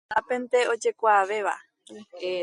Anatápente ojekuaavéva.